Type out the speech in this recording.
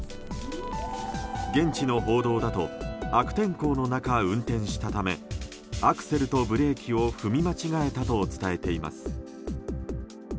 現地の報道だと、悪天候の中運転したためアクセルとブレーキを踏み間違えたと伝えています。